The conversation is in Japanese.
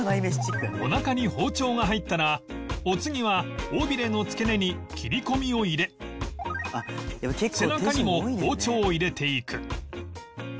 おなかに包丁が入ったらお次は尾ビレの付け根に切り込みを入れ背中にも包丁を入れていく